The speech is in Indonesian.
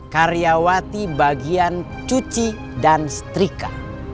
karyawati bagian cuci dan setrika